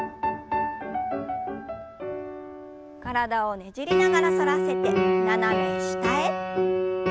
体をねじりながら反らせて斜め下へ。